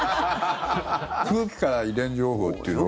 空気から遺伝情報というのは。